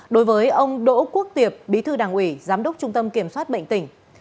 đối với ông đỗ quốc tiệp bí thư đảng ủy giám đốc trung tâm kiểm soát bệnh tỉnh